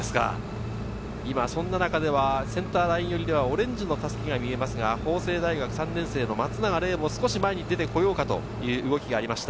今、そんな中ではセンターライン寄りではオレンジの襷が見えますが、法政大学３年生・松永伶も少し前に出てこようかという動きがありました。